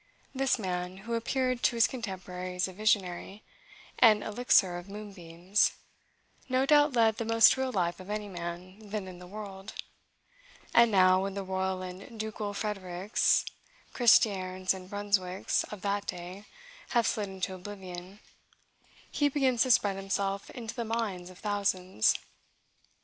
This man, who appeared to his contemporaries a visionary, and elixir of moonbeams, no doubt led the most real life of any man then in the world: and now, when the royal and ducal Frederics, Cristierns, and Brunswicks, of that day, have slid into oblivion, he begins to spread himself into the minds of thousands.